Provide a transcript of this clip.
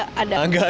nggak ada yang dapet